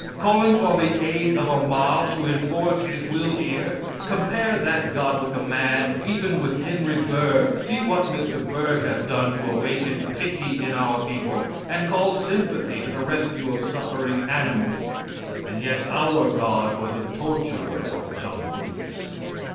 Calling for the aid of a mob to enforce His will here, compare that God with a man, even with Henry Bergh. See what Mr. Bergh has done to awaken pity in our people and call sympathy to the rescue of suffering animals. And yet our God was a torturer of dumb brutes.